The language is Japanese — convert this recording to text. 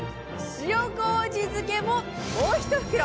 塩麹漬ももう１袋！